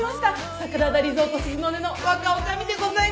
桜田リゾート鈴の音の若女将でございます。